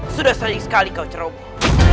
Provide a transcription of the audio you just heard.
sudah sering sekali kau ceroboh